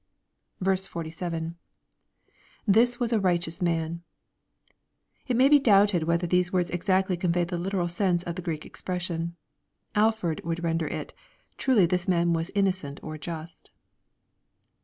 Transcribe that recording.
47. — [This was a i ighteotis manJ] It may be doubted whether these words exactly convey the Hteral sense of the Greek ex pression. Afford would render it, " truly this man was innocent or just."